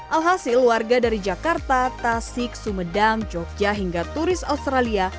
alhasil warga dari jakarta tasik sumedang jogja hingga turis australia